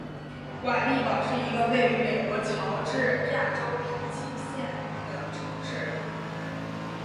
瓦利堡是一个位于美国乔治亚州皮奇县的城市。